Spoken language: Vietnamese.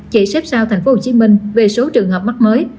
chỉ xếp sau tp hcm về số trường hợp mắc mới